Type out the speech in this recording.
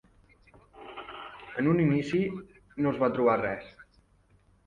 En un inici no es va trobar res.